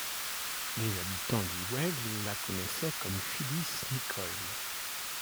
Les habitants d'Ewell la connaissaient comme Phyllis Nicoll.